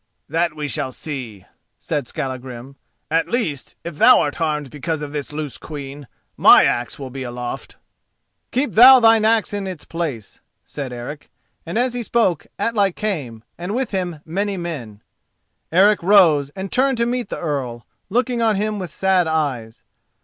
"That we shall see," said Skallagrim. "At least, if thou art harmed because of this loose quean, my axe will be aloft." "Keep thou thine axe in its place," said Eric, and as he spoke Atli came, and with him many men. Eric rose and turned to meet the Earl, looking on him with sad eyes.